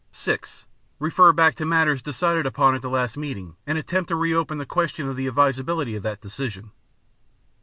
(6) Refer back to matters decided upon at the last meeting and attempt to re open the question of the advisability of that decision.